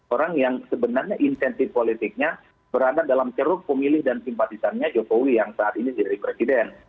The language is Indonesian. orang yang sebenarnya insentif politiknya berada dalam ceruk pemilih dan simpatisannya jokowi yang saat ini jadi presiden